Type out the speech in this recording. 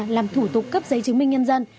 làm thủ tục cấp giấy chứng minh nhân dân